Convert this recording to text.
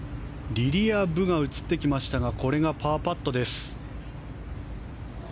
リリア・ブが映ってきましたがこれがパーパットです。